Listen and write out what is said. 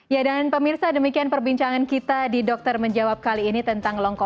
ya dan pemirsa demikian perbincangan kita di dokter menjawab kali ini tentang long covid sembilan belas